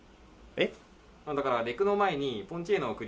えっ？